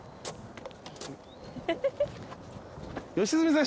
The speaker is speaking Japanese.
良純さん